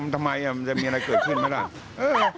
ทำไมมันจะมีอะไรเกิดขึ้นไหมล่ะ